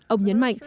ông nhấn mạnh